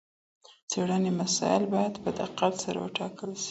د څېړني مسایل باید په دقت سره وټاکل سي.